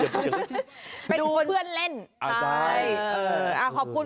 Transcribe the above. เป็นเพื่อนเล่น